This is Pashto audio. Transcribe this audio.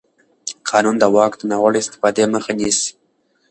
قانون د واک د ناوړه استفادې مخه نیسي.